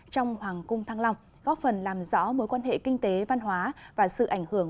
trong hoàng cung thăng long góp phần làm rõ mối quan hệ kinh tế văn hóa và sự ảnh hưởng